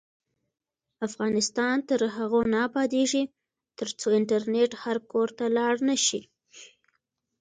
افغانستان تر هغو نه ابادیږي، ترڅو انټرنیټ هر کور ته لاړ نشي.